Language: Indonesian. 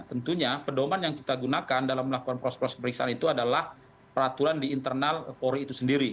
tentunya pedoman yang kita gunakan dalam melakukan proses proses pemeriksaan itu adalah peraturan di internal polri itu sendiri